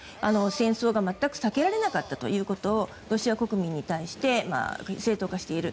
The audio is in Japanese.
戦争が全く避けられなかったということをロシア国民に対して正当化している。